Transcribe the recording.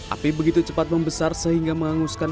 api begitu cepat membesar sehingga menghanguskan